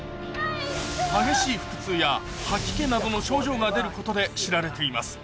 激しいなどの症状が出ることで知られています